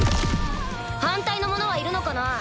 反対の者はいるのかな？